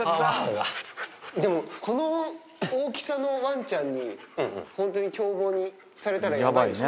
でも、この大きさのワンちゃんに、本当に凶暴にされたらやばいでしょ？